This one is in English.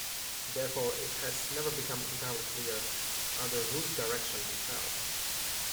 Therefore, it has never become entirely clear under whose direction he fell.